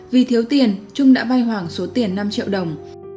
vì thiếu tiền trung đã vay hoàng số tiền năm triệu đồng